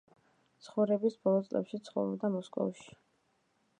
ცხოვრების ბოლო წლებში ცხოვრობდა მოსკოვში.